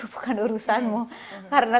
bukan urusanmu karena